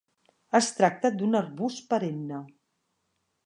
Es tracta d'un arbust perenne.